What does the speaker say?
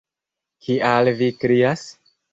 Kial vi krias?